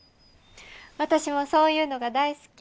私もそういうのが大好き。